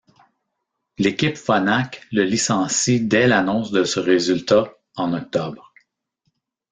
L'équipe Phonak le licencie dès l'annonce de ce résultat, en octobre.